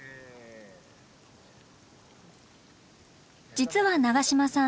実は永島さん